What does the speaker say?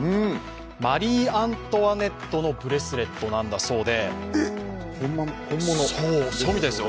マリー・アントワネットのブレスレットなんだそうで。